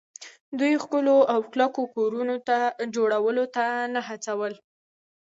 دوی ښکلو او کلکو کورونو جوړولو ته نه هڅول